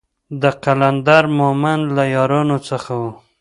د قلندر مومند له يارانو څخه و.